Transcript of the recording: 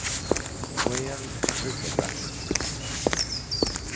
QUEER BRIC A BRAC.